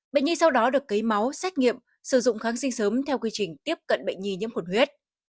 bệnh nhi sau đó được lấy máu xét nghiệm sử dụng kháng sinh sớm theo quy trình tiếp cận bệnh nhi nhiễm khuẩn huyết